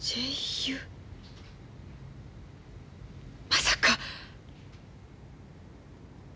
まさか。